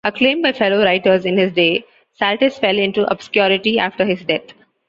Acclaimed by fellow writers in his day, Saltus fell into obscurity after his death.